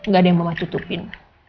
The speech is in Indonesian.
gak ada yang mama tutupin